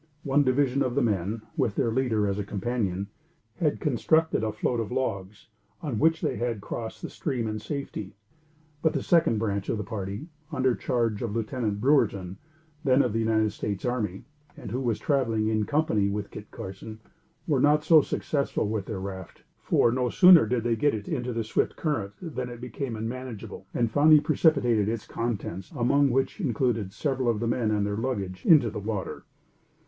One division of the men, with their leader as a companion, had constructed a float of logs, on which they had crossed the stream in safety; but the second branch of the party, under charge of Lieutenant Brewerton, then of the United States army, and who was traveling in company with Kit Carson, were not so successful with their raft; for, no sooner did they get it into the swift current than it became unmanageable, and finally precipitated its contents, among which were included several of the men and their luggage, into the water.